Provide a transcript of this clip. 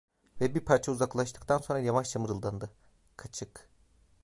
Ve bir parça uzaklaştıktan sonra yavaşça mırıldandı "Kaçık!"